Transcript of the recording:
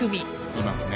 いますね。